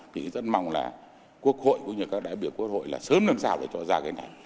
thì rất mong là quốc hội và các đại biểu quốc hội sớm làm sao để cho ra cái này